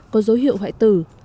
có dấu hiệu hoại tử